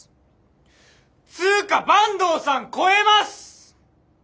つか坂東さん超えます！